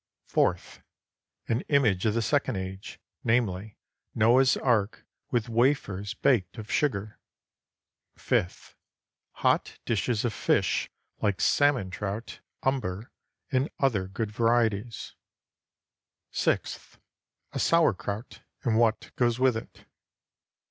Fourth An image of the second age, namely, Noah's Ark with wafers baked of sugar. Fifth Hot dishes of fish like salmon trout, umber, and other good varieties. 281 AUSTRIA HUNGARY Sixth A sauerkraut and what goes with it.